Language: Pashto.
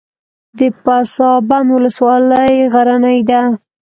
د پسابند ولسوالۍ غرنۍ ده